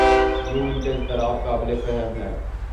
یوں ان کا اضطراب قابل فہم ہے۔